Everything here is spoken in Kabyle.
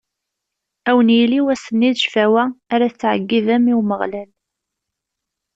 Ad wen-yili wass-nni d ccfawa ara tettɛeggidem i Umeɣlal.